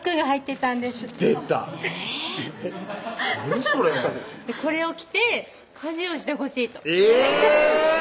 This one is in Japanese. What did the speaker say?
それ「これを着て家事をしてほしい」とえぇ！